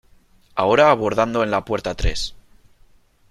Ahora abordando en la puerta tres .